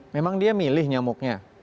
memang dia milih nyamuknya